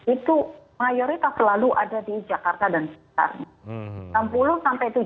itu mayoritas selalu ada di jakarta dan sekitarnya